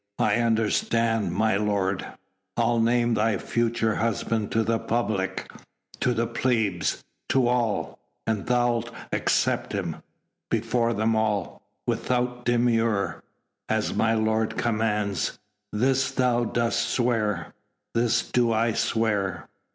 "I understand, my lord." "I'll name thy future husband to the public ... to the plebs ... to all ... and thou'lt accept him before them all without demur...." "As my lord commands." "This thou dost swear?" "This do I swear."